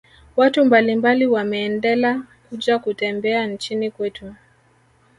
watu mbalimbali wameendela kuja kutembea nchini kwetu